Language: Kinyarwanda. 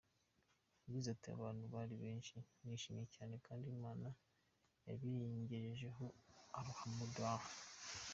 Yagize ati : “abantu bari benshi nishimye cyane kandi Imana yabingejejeho Alhamduillah.